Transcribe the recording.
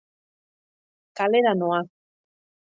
Kalera noa.